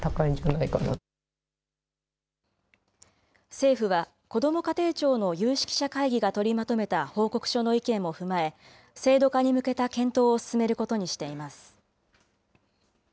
政府はこども家庭庁の有識者会議が取りまとめた報告書の意見も踏まえ、制度化に向けた検討を進めることにしています。